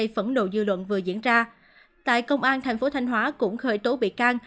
phẫn nộ dư luận vừa diễn ra tại công an tp thành hóa cũng khởi tố bị can